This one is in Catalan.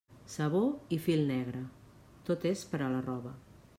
Sabó i fil negre, tot és per a la roba.